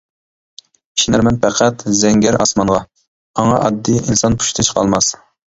ئىشىنەرمەن پەقەت زەڭگەر ئاسمانغا، ئاڭا ئاددىي ئىنسان پۇشتى چىقالماس.